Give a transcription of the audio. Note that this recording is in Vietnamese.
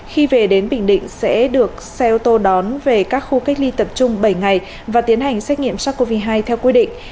khi về đến bình định sẽ được xe ô tô đón về các khu cách ly tập trung bảy ngày và tiến hành xét nghiệm sars cov hai theo quy định